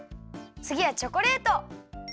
つぎはチョコレート！